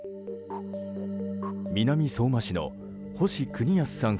南相馬市の星邦康さん